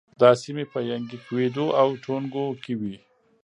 دا سیمې په ینګی، کویدو او ټونګو کې وې.